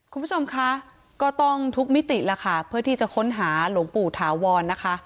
คุณผู้ชมคะก็ต้องทุกมิติแล้วค่ะเพื่อที่จะค้นหาหลวงปู่ถาวรนะคะ